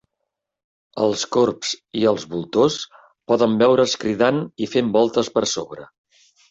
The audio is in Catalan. Els corbs i els voltors poden veure's cridant i fent voltes per sobre.